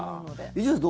伊集院さん